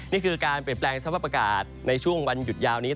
นี่คือการเปลี่ยนแปลงสภาพอากาศในช่วงวันหยุดยาวนี้